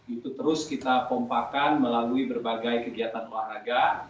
itu terus kita pompakan melalui berbagai kegiatan olahraga